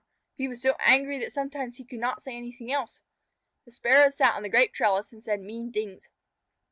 He was so angry that sometimes he could not say anything else. The Sparrows sat on the grape trellis and said mean things.